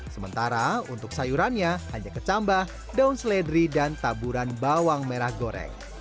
sementara untuk sayurannya hanya kecambah daun seledri dan taburan bawang merah goreng